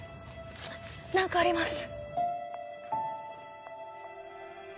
何かあります。